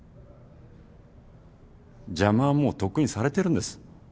邪魔はもうとっくにされてるんです。